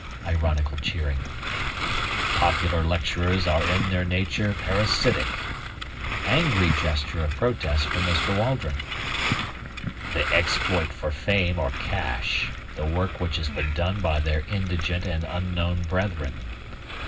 (Ironical cheering.) "Popular lecturers are in their nature parasitic." (Angry gesture of protest from Mr. Waldron.) "They exploit for fame or cash the work which has been done by their indigent and unknown brethren.